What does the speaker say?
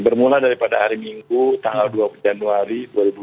bermula daripada hari minggu tanggal dua puluh januari dua ribu dua puluh